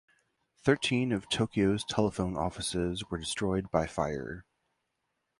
Thirteen of Tokyo's telephone offices were destroyed by fire.